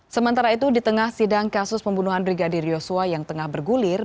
sementara itu di tengah sidang kasus pembunuhan brigadir yosua yang tengah bergulir